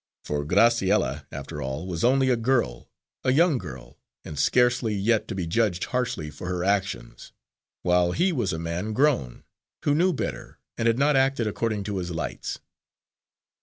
For Graciella, after all, was only a girl a young girl, and scarcely yet to be judged harshly for her actions; while he was a man grown, who knew better, and had not acted according to his lights.